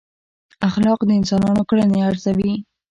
اخلاق د انسانانو کړنې ارزوي.